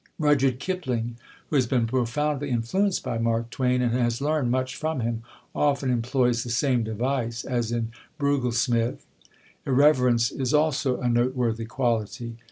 Rudyard Kipling, who has been profoundly influenced by Mark Twain, and has learned much from him, often employs the same device, as in Brugglesmith. Irreverence is also a noteworthy quality.